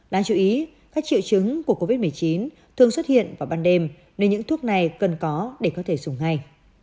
đáng chú ý các triệu chứng của covid một mươi chín thường xuất hiện vào ban đêm nên những thuốc này cần có để có thể dùng ngay